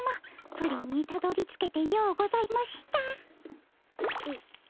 プリンにたどりつけてようございました。